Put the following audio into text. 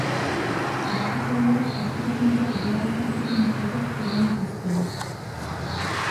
Erasotzaileak jostura-puntuak behar izan zituen zauriak eragin zizkion.